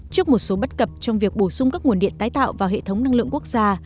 trước một số bất cập trong việc bổ sung các nguồn điện tái tạo vào hệ thống năng lượng quốc gia